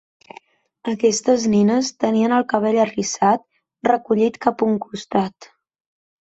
Aquestes nines tenien el cabell arrissat recollit cap un costat.